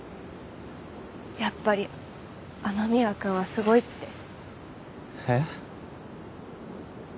やっぱり雨宮君はすごいってえっ？